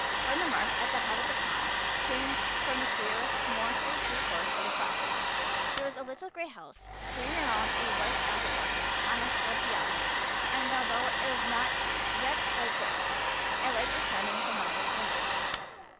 From the marsh at the head of the pond came the clear, mournfully sweet chorus of the frogs. There was a little gray house peering around a white apple orchard on a slope beyond and, although it was not yet quite dark, a light was shining from one of its windows.